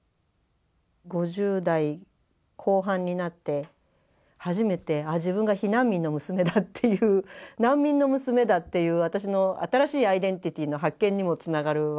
５０代後半になって初めて自分が避難民の娘だっていう難民の娘だっていう私の新しいアイデンティティーの発見にもつながるわけですよね。